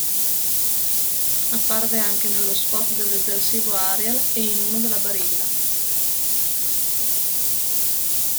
Apparve anche nello spot del detersivo Ariel, e in uno della Barilla.